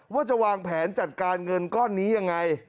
ว่าจะวางแผนจัดการเงินก้อนนี้ยังไง